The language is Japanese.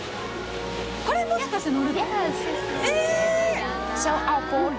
あれに、もしかして乗るの？